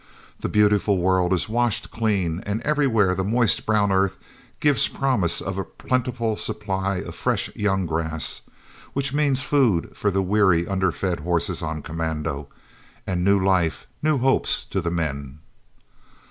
The beautiful world is washed clean, and everywhere the moist brown earth gives promise of a plentiful supply of fresh young grass, which means food for the weary underfed horses on commando, and new life, new hopes to the men.